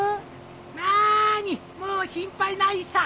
なにもう心配ないさ。